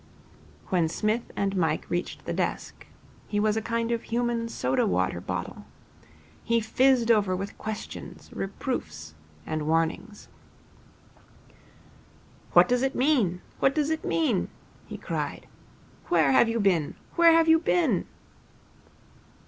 When Psmith and Mike reached the desk, he was a kind of human soda water bottle. He fizzed over with questions, reproofs, and warnings. 'What does it mean? What does it mean?' he cried. 'Where have you been? Where have you been?'